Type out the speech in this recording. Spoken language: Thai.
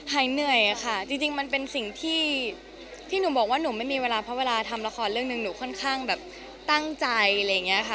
หายเหนื่อยค่ะจริงมันเป็นสิ่งที่หนูบอกว่าหนูไม่มีเวลาเพราะเวลาทำละครเรื่องหนึ่งหนูค่อนข้างแบบตั้งใจอะไรอย่างนี้ค่ะ